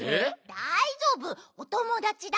だいじょうぶおともだちだから。